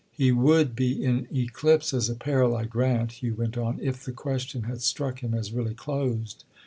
He would be in eclipse as a peril, I grant," Hugh went on—"if the question had struck him as really closed.